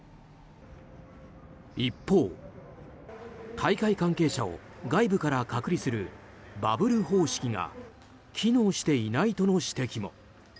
一方、大会関係者を外部から隔離するバブル方式が機能していないとの指摘も。